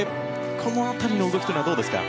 この辺りの動きはどうですか？